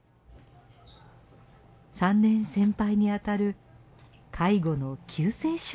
３年先輩にあたる介護の救世主がいました。